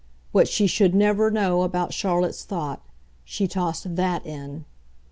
What she should never know about Charlotte's thought she tossed THAT in.